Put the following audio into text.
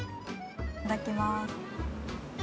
いただきます。